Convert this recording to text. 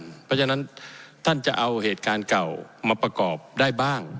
เพราะฉะนั้นท่านจะเอาเหตุการณ์เก่ามาประกอบได้บ้าง